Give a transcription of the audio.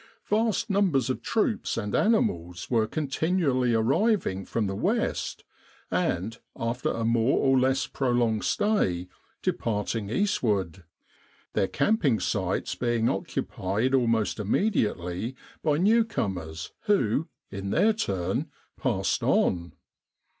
Vast numbers of troops and animals were continually arriving from the west, and, after a more or less prolonged stay, departing eastward, their camping sites being occupied almost immediately by new comers who, in their turn, passed on.